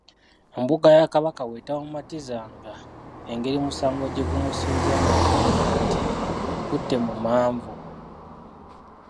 "Embuga ya Kabaka bw’etaamumatizanga ngeri musango gye gumusinze ng’agamba nti, “nkutte mu mmanvu.” "